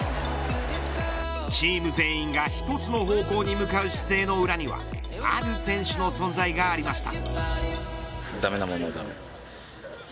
チーム全員が一つの方向に向かう姿勢の裏にはある選手の存在がありました。